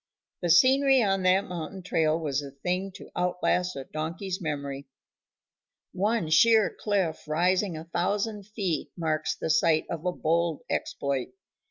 The scenery on that mountain trail was a thing to out last a donkey's memory. One sheer cliff rising a thousand feet marks the site of a bold exploit.